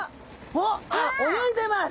おっ泳いでます。